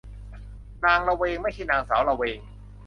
นางละเวง ไม่ใช่นางสาวละเวง